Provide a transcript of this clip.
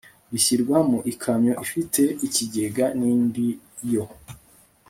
bishyirwa mu ikamyo ifite ikigega n indi yo